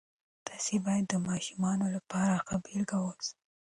تاسې باید د ماشومانو لپاره ښه بیلګه اوسئ.